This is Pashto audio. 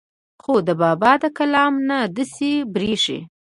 خو د بابا د کلام نه داسې بريښي